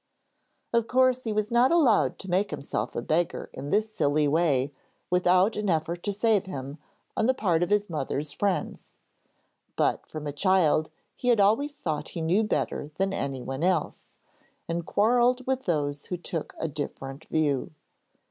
Of course he was not allowed to make himself a beggar in this silly way without an effort to save him on the part of his mother's friends. But from a child he had always thought he knew better than anyone else, and quarrelled with those who took a different view.